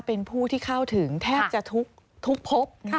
เป็นผู้ที่เข้าถึงแทบจะทุกพบ